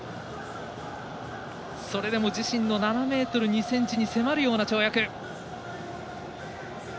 それでも自身の７ｍ２ｃｍに迫るような跳躍。